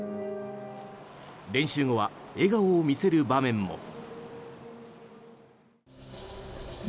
練習後は、笑顔を見せる場面も。